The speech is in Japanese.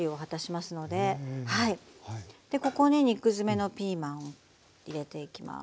でここに肉詰めのピーマン入れていきます。